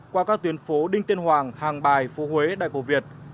qua các tuyến phố đinh tiên hoàng hàng bài phố huế đài cổ việt